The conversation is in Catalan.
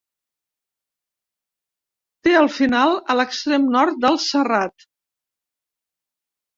Té el final a l'extrem nord del serrat.